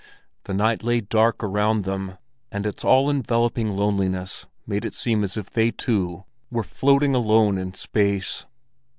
The night lay dark around them, and its all enveloping loneliness made it seem as if they two were floating alone in space.